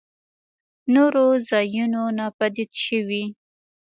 نورو ځايونو ناپديد شوي.